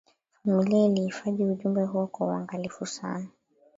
familia iliihifadhi ujumbe huo kwa uangalifu sana